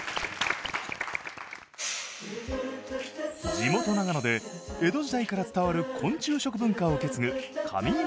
地元長野で江戸時代から伝わる昆虫食文化を受け継ぐ上伊那農業高校。